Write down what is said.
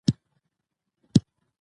د پېیر کوري تمرکز په ماري څېړنو و.